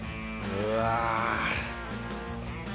うわ！